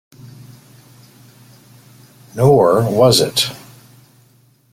Nor was it.